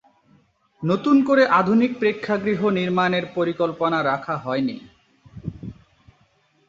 নতুন করে আধুনিক প্রেক্ষাগৃহ নির্মাণের পরিকল্পনা রাখা হয়নি।